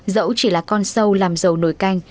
dẫu chỉ là con sâu làm dầu nổi canh